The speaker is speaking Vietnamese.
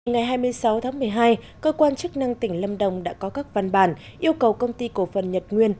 ngày hai mươi sáu tháng một mươi hai cơ quan chức năng tỉnh lâm đồng đã có các văn bản yêu cầu công ty cổ phần nhật nguyên